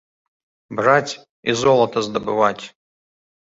Браць і золата здабываць!